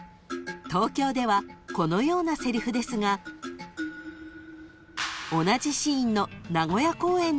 ［東京ではこのようなせりふですが同じシーンの名古屋公演では］